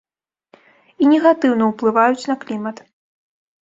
І негатыўна ўплываюць на клімат.